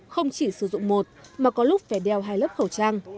không chỉ sử dụng một mà có lúc phải đeo hai lớp khẩu trang